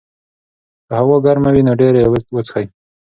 که هوا ګرمه وي، نو ډېرې اوبه وڅښئ.